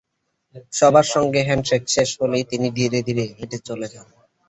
সবার সঙ্গে হ্যান্ডশেক শেষ হলেই তিনি ধীরে ধীরে হেঁটে চলে যান।